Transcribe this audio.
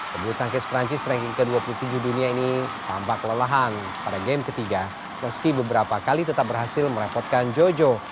pebulu tangkis perancis ranking ke dua puluh tujuh dunia ini tampak lelahan pada game ketiga meski beberapa kali tetap berhasil merepotkan jojo